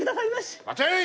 待てい！